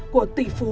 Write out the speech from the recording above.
của tỷ phú